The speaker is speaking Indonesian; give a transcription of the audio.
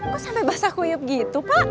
kok sampai basah kuyup gitu pak